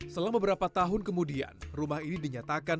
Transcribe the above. selama beberapa tahun kemudian rumah ini dinyatakan